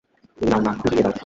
এই নাও না, ঘুরিয়ে দাও।